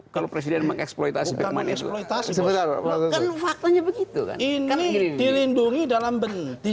kalau presiden mengeksploitasi manis mengetahui sebetulnya begitu ini dilindungi dalam benih